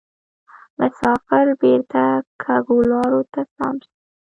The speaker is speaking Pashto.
مسافر بیرته کږو لارو ته سم سو